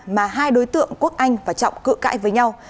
mà hai đối tượng quốc anh và trọng cự cãi với nhau